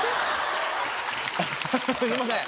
すいません。